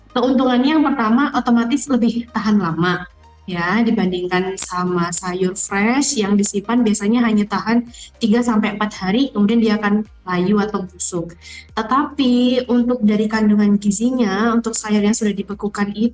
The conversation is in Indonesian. saya akan membandingkan sayur segar dengan sayur beku